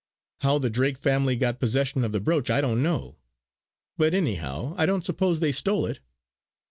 How the Drake family got possession of the brooch I don't know; but anyhow I don't suppose they stole it.